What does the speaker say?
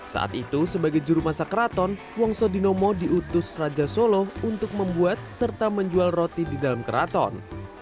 saat itu sebagai juru masak keraton wong sodinomo diutus raja solo untuk membuat serta menjual roti di dalam keraton